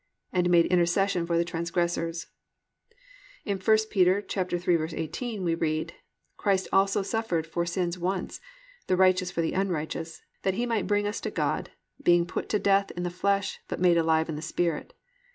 And made intercession for the transgressors."+ In I Peter, 3:18 we read, +"Christ also suffered for sins once, the righteous for the unrighteous, that He might bring us to God; being put to death in the flesh, but made alive in the spirit."